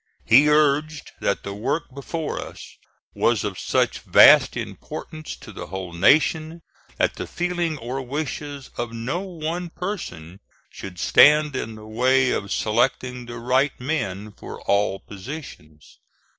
He urged that the work before us was of such vast importance to the whole nation that the feeling or wishes of no one person should stand in the way of selecting the right men for all positions.